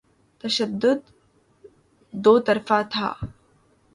تشدد دوطرفہ تھا۔